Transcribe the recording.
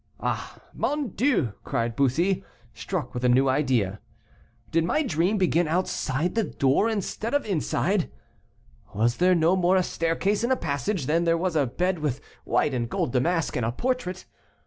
"Ah, mon Dieu!" cried Bussy, struck with a new idea, "did my dream begin outside the door instead of inside? Was there no more a staircase and a passage, than there was a bed with white and gold damask, and a portrait?